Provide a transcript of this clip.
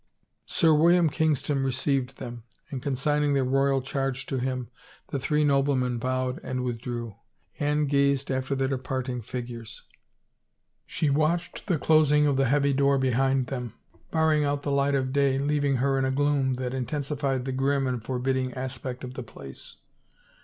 Sir William Kingston received them, and consigning their royal charge to him, the three noblemen bowed and withdrew. Anne gazed after their departing figures ; she 328 A BLOW IN THE DARK watched the closing of the heavy door behind them, bar ring out the light of day, leaving her in a gloom that in tensified the grim and forbidding aspect of the place.